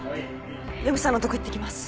由美さんのとこ行ってきます。